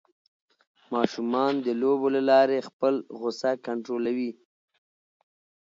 ماشومان د لوبو له لارې خپل غوسه کنټرولوي.